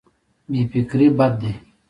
بې فکري بد دی.